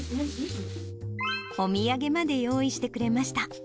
お土産まで用意してくれまし